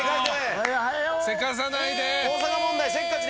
せかさないで。